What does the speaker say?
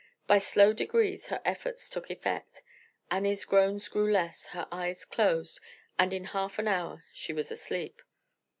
By slow degrees her efforts took effect; Annie's groans grew less, her eyes closed, and in half an hour she was asleep.